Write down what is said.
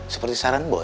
seperti saran boy